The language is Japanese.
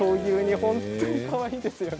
本当にかわいいですよね。